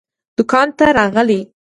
دوکان ته راغلی يې؟